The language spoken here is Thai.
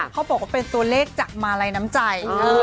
เขาบอกว่าเป็นตัวเลขจากมาลัยน้ำใจ